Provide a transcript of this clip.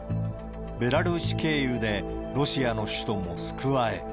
ベラルーシ経由でロシアの首都モスクワへ。